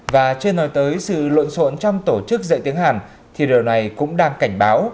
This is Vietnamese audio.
và chưa nói tới sự lộn xộn trong tổ chức dạy tiếng hàn thì điều này cũng đang cảnh báo